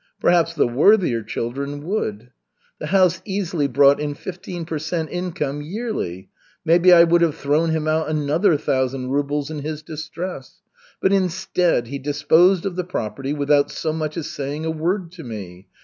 Perhaps the worthier children would. The house easily brought in fifteen per cent. income yearly. Maybe I would have thrown him out another thousand rubles in his distress. But instead, he disposed of the property without so much as saying a word to me.